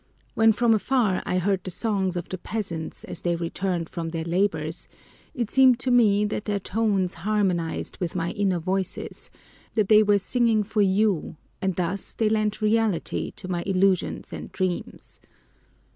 When from afar I heard the songs of the peasants as they returned from their labors, it seemed to me that their tones harmonized with my inner voices, that they were singing for you, and thus they lent reality to my illusions and dreams.